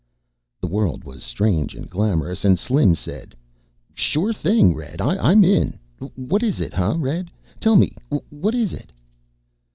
The world was strange and glamorous, and Slim said, "Sure thing, Red. I'm in! What is it, huh, Red? Tell me what it is."